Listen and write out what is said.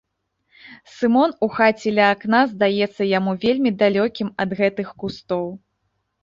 Сымон у хаце ля акна здаецца яму вельмі далёкім ад гэтых кустоў.